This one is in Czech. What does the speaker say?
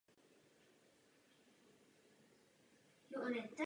Je třeba to zdůraznit, protože toto úsilí musí vynakládat každý.